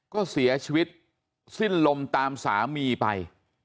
ก็เสียชีวิตสิ้นลมตามสามีไป